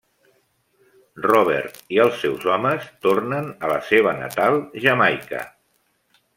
Robert i els seus homes tornen a la seva natal Jamaica.